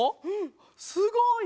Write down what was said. すごい！